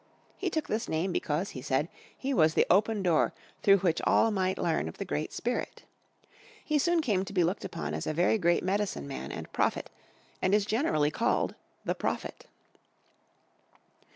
He took this name because, he said, he was the Open Door through which all might learn of the Great Spirit. He soon came to be looked upon as a very great Medicine Man and prophet, and is generally called the Prophet.